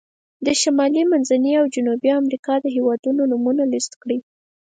د شمالي، منځني او جنوبي امریکا د هېوادونو نومونه لیست کړئ.